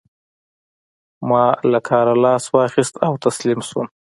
ما له کاره لاس واخيست او تسليم شوم.